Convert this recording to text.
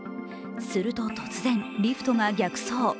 すると突然、リフトが逆走。